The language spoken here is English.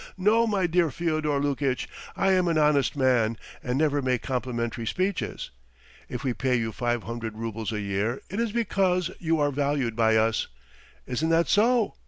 No, my dear Fyodor Lukitch, I am an honest man and never make complimentary speeches. If we pay you five hundred roubles a year it is because you are valued by us. Isn't that so?